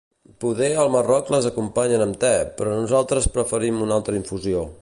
Poder al Marroc les acompanyen amb te, però nosaltres preferim una altra infusió.